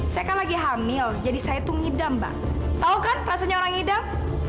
saya kan lagi hamil jadi saya tuh ngidam mbak tahu kan rasanya orang idam